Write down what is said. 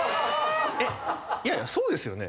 えっいやいやそうですよね？